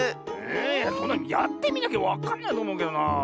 えそんなのやってみなきゃわかんないとおもうけどなあ。